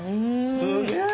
すげえ！